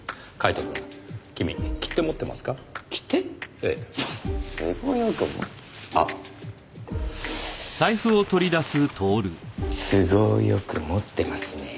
都合よく持ってますねぇ。